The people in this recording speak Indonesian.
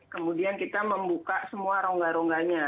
kemudian kita membuka semua rongga rongganya